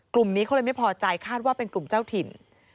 กลุ่มนี้เขาเลยไม่พอใจคาดว่าเป็นกลุ่มเจ้าถิ่น